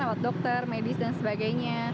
lewat dokter medis dan sebagainya